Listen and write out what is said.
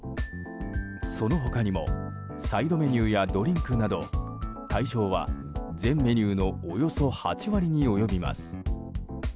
その他にもサイドメニューやドリンクなど対象は、全メニューのおよそ８割に及びます。